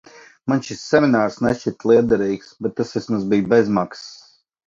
Man šis seminārs nešķita lietderīgs, bet tas vismaz bija bez maksas.